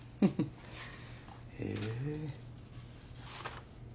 へえ。